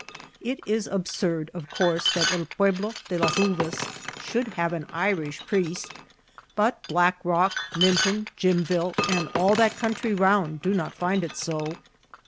It is absurd, of course, that El Pueblo de / Las Uvas should have an Irish priest, but V Black Rock, Minton, Jimville, and all that country round do not find it so.